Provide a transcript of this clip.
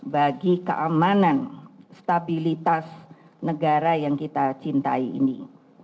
bagi keamanan stabilitas negara yang kita cintai ini